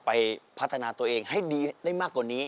ไปพัฒนาตัวเองให้ดีได้มากกว่านี้